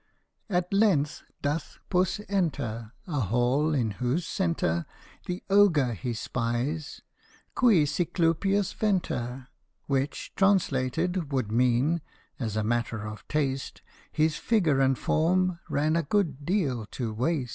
At length doth Puss enter A hall in whose centre The Ogre he spies, cui Cyclopius venter. (Which, translated, would mean " as a matter of taste, His figure and form ran a good deal to waist.")